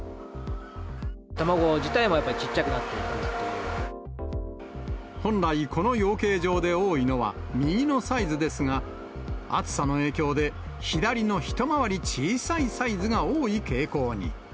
卵自体もやっぱりちっちゃく本来、この養鶏場で多いのは右のサイズですが、暑さの影響で、左の一回り小さいサイズが多い傾向に。